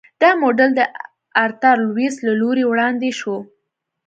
دا موډل د آرتر لویس له لوري وړاندې شو.